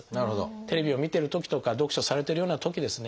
テレビを見てるときとか読書されてるようなときですね